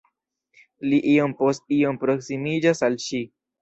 Li iom post iom proksimiĝas al ŝi.